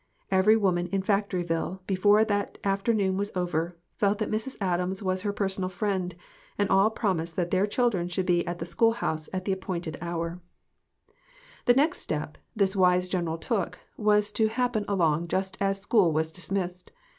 Every woman in Factoryville, before that afternoon was over, felt that Mrs. Adams was her personal friend, and all promised that their children should be at the school house at the appointed hour. GOOD BREAD AND GOOD MEETINGS. 4! The next step this wise general took was to happen along just as school was dismissed.